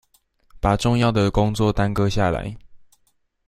把重要的工作耽擱下來